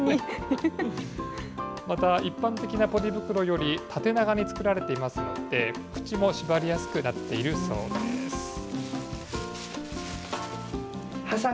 また、一般的なポリ袋より縦長に作られていますので、口も縛りやすくなっているそうです。